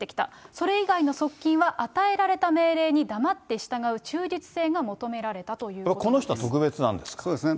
それ以外の側近は与えられた命令に黙って従う忠実性が求められたこの人は特別なんですか？